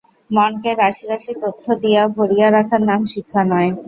মনকে রাশি রাশি তথ্য দিয়া ভরিয়া রাখার নাম শিক্ষা নয়।